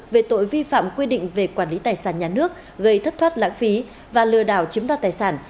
về tội vi phạm quy định về quản lý tài sản nhà nước gây thất thoát lãng phí và lừa đảo chiếm đoạt tài sản